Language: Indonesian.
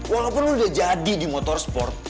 walaupun udah jadi di motor sport